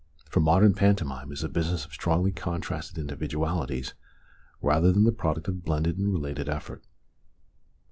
For modern pantomime is a business of strongly contrasted individualities rather than the product of blended and related effort.